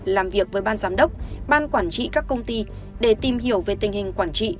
làm việc với ban giám đốc ban quản trị các công ty để tìm hiểu về tình hình quản trị